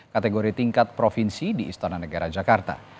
kategori tingkat provinsi di istana negara jakarta